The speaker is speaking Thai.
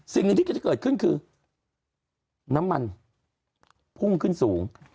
สิ่งหนึ่งที่แกจะเกิดขึ้นคือน้ำมันพุ่งขึ้นสูง